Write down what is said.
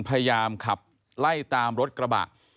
พยายามขับไล่ตามรถกระบะ